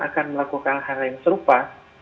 akan melakukan hal yang serupa